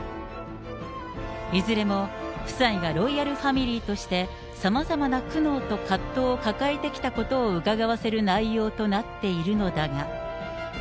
いずれも夫妻がロイヤルファミリーとして、さまざまな苦悩と葛藤を抱えてきたことをうかがわせる内容となっているのだが。